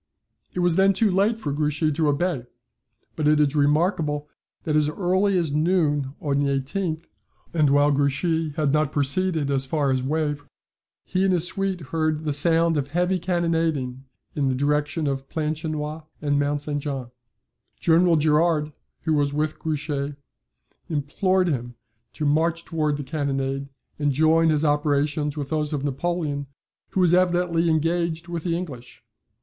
It was then too late for Grouchy to obey; but it is remarkable that as early as noon on the 18th, and while Grouchy had not proceeded as far as Wavre, he and his suite heard, the sound of heavy cannonading In the direction of Planchenoit and Mont St. Jean. General Gerard, who was with Grouchy, implored him to march towards the cannonade, and join his operations with those of Napoleon, who was evidently engaged with the English.